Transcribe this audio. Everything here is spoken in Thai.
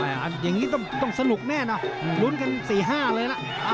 อย่างนี้ต้องสนุกแน่นะลุ้นกัน๔๕เลยล่ะ